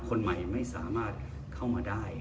คนใหม่ไม่สามารถเข้ามาได้